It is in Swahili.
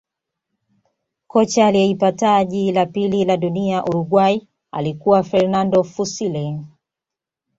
kocha aliyeipa taji la pili la dunia Uruguay alikuwa fernando fussile